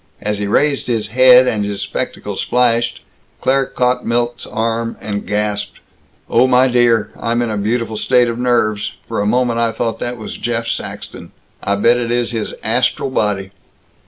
As he raised his head, and his spectacles flashed, Claire caught Milt's arm and gasped, "Oh, my dear, I'm in a beautiful state of nerves. For a moment I thought that was Jeff Saxton. I bet it is his astral body!"